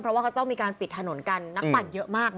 เพราะว่าเขาต้องมีการปิดถนนกันนักปั่นเยอะมาก